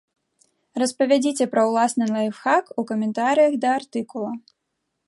Распавядзіце пра ўласны лайфхак у каментарыях да артыкула!